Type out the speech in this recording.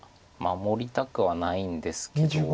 守りたくはないんですけど。